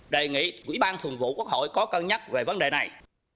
đề nghị quỹ ban thường vụ quốc hội có cân nhắc về vấn đề này